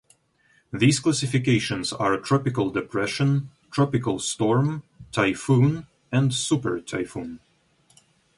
These classifications are Tropical Depression, Tropical Storm, Typhoon and Super Typhoon.